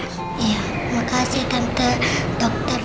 terima kasih tante dokter